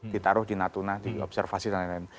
ditaruh di natuna diobservasi dan lain lain